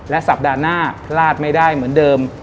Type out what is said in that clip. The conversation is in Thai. สัปดาห์หน้าพลาดไม่ได้เหมือนเดิม